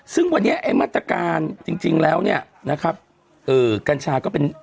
ซึ่งวันนี้ไอ้มาตรการจริงแล้วเนี่ยนะครับเอ่อกัญชาก็เป็น